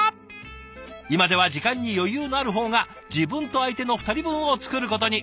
今では時間に余裕のある方が自分と相手の２人分を作ることに。